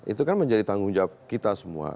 itu kan menjadi tanggung jawab kita semua